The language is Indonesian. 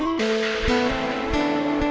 sekarang optic class disebutnya